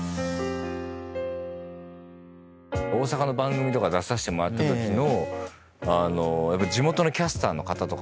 大阪の番組とか出させてもらったときの。